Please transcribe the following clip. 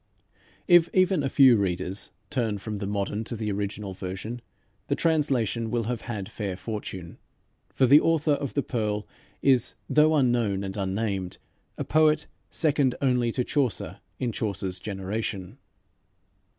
If even a few readers turn from the modern to the original version, the translation will have had fair fortune, for the author of "The Pearl" is, though unknown and unnamed, a poet second only to Chaucer in Chaucer's generation.